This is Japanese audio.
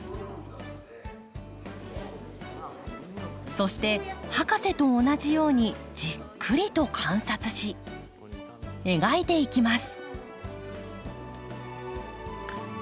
そして博士と同じようにじっくりと観察し描いていきます。